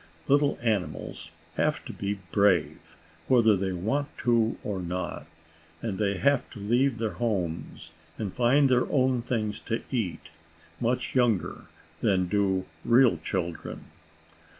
Little animals have to be brave whether they want to or not, and they have to leave their homes and find their own things to eat, much younger than do real children.